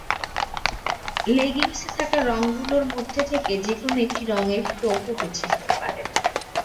লেগিংসে থাকা রংগুলোর মধ্য থেকে যেকোনো একটি রঙের টপও বেছে নিতে পারেন।